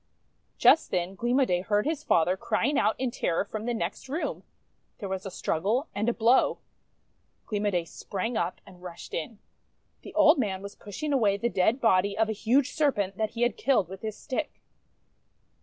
Just then Gleam o' Day heard his father crying out in terror from the next room. There was a struggle and a blow. Gleam o' Day sprang up, and rushed in. The old man was 158 THE WONDER GARDEN pushing away the dead body of a huge Serpent that he had killed with his stick.